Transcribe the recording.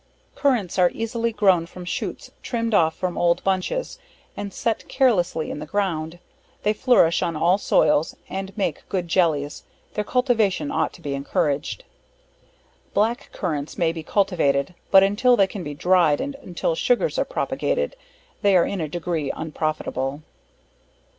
Currants, are easily grown from shoots trimmed off from old bunches, and set carelessly in the ground; they flourish on all soils, and make good jellies their cultivation ought to be encouraged. Black Currants, may be cultivated but until they can be dryed, and until sugars are propagated, they are in a degree unprofitable.